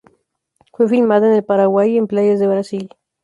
Fue filmada en el Paraguay y en playas de Brasil.